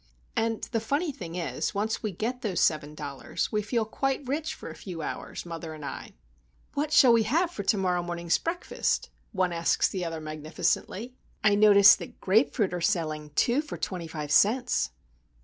And the funny thing is, once we get those seven dollars, we feel quite rich for a few hours, mother and I.— "What shall we have for to morrow morning's breakfast?" one asks the other magnificently. "I notice that grape fruit are selling two for twenty five cents."